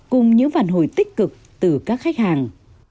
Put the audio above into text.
cùng những phản hồi tích cực từ các khách hàng